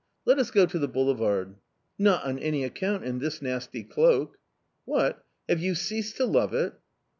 "Let us go to the boulevard"... "Not on any account, in this nasty cloak"... "What! Have you ceased to love it?"...